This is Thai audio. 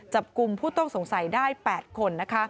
จับกลุ่มผู้ต้องสงสัยได้๘คน